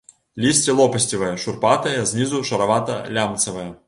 Лісце лопасцевае, шурпатае, знізу шаравата-лямцавае.